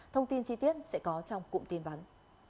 thông tin chi tiết sẽ có trong cụm tin vắn